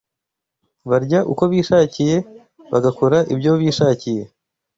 Barya uko bishakiye, bagakora ibyo bishakiye. …